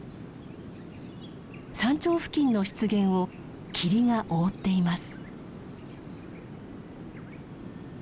山頂付近の湿原を霧が覆っています。